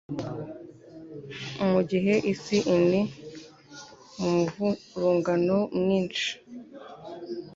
Mu gihe isi in mu muvurungano mwinshi,